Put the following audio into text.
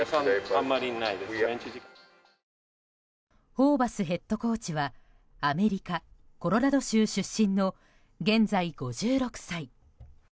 ホーバスヘッドコーチはアメリカ・コロラド州出身の現在５６歳。